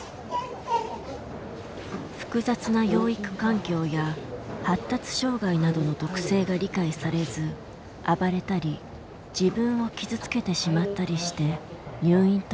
複雑な養育環境や発達障害などの特性が理解されず暴れたり自分を傷つけてしまったりして入院となった子が多い。